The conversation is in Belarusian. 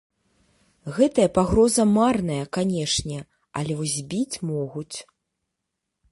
Гэтая пагроза марная, канешне, але вось збіць могуць.